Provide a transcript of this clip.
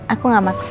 aku gak maksa